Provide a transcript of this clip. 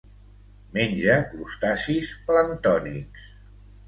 Menja crustacis planctònics.